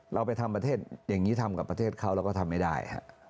เราไปทำประเทศอย่างนี้ทำกับประเทศเขาเราก็ทำไม่ได้